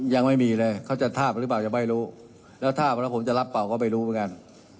ยังไม่มีเลยเขาจะทาบหรือเปล่ายังไม่รู้แล้วทาบไปแล้วผมจะรับเปล่าก็ไม่รู้เหมือนกัน